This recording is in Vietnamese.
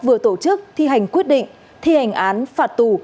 vừa tổ chức thi hành quyết định thi hành án phạt tù